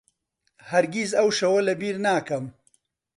هەرگیز ئەو شەوە لەبیر ناکەم.